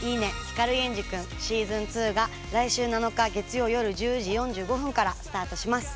光源氏くんしずん２」が来週７日月曜よる１０時４５分からスタートします。